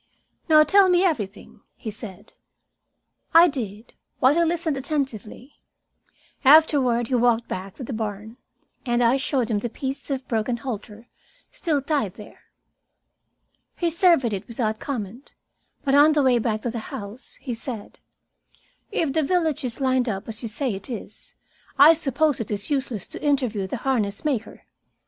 "Now tell me about everything," he said. I did, while he listened attentively. Afterward we walked back to the barn, and I showed him the piece of broken halter still tied there. He surveyed it without comment, but on the way back to the house he said: "If the village is lined up as you say it is, I suppose it is useless to interview the harness maker.